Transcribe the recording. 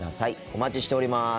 お待ちしております。